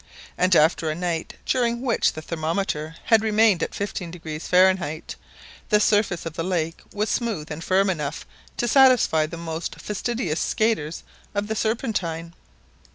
and after a night during which the thermometer had remained at 15° Fahrenheit, the surface of the lake was smooth and firm enough to satisfy the most fastidious skaters of the Serpentine.